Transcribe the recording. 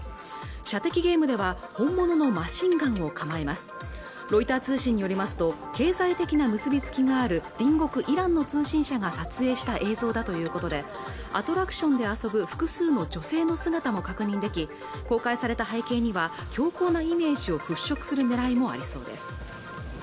射的ゲームでは本物のマシンガンを構えますロイター通信によりますと経済的な結び付きがある隣国イランの通信社が撮影した映像だということでアトラクションで遊ぶ複数の女性の姿も確認でき公開された背景には強硬のイメージを払拭するねらいもありそうです